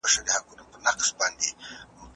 مرګ چا ته وخت نه ورکوي.